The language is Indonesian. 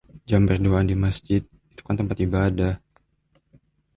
Janganlah berduaan di Masjid, itu kan tempat ibadah..